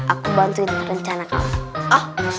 aku bantuin rencana kamu